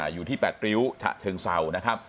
อยู่ที่แปดริ้วฉะเชิงเศร้า